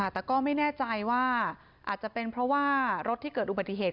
แต่ก็ไม่แน่ใจว่าอาจจะเป็นเพราะว่ารถที่เกิดอุบัติเหตุ